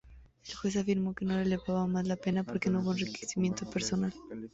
El juez afirmó que no elevaba más la pena porque no hubo enriquecimiento personal.